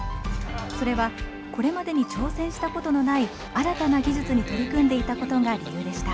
それはこれまでに挑戦したことのない新たな技術に取り組んでいたことが理由でした。